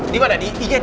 dimana di igd